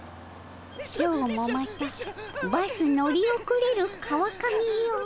「今日もまたバス乗り遅れる川上よ